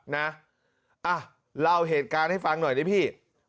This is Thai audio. นะอ่ะเล่าเหตุการณ์ให้ฟังหน่อยดิพี่